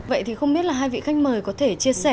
vậy thì không biết là hai vị khách mời có thể chia sẻ